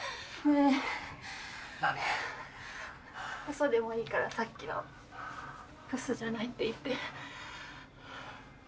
うそでもいいからさっきのブスじゃないって言って。